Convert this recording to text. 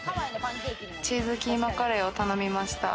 チーズキーマカレーを頼みました。